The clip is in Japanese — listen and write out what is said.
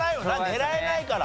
狙えないから。